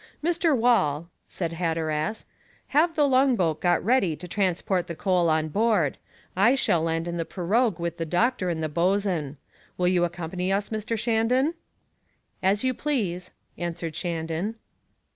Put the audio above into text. "Mr. Wall," said Hatteras, "have the long boat got ready to transport the coal on board. I shall land in the pirogue with the doctor and the boatswain. Will you accompany us, Mr. Shandon?" "As you please," answered Shandon.